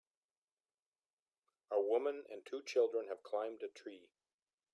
A woman and two children have climbed a tree